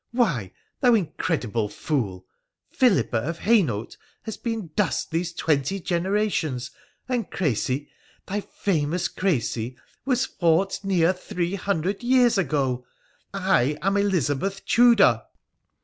Why, thou incredible fool ! Philippa of Hainault has been dust these twenty generations ; and Crecy — thy "famous Crecy 1 '— was fought near three hundred years ago ! I am Elizabeth Tudor